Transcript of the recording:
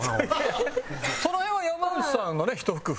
その辺は山内さんがねひと工夫。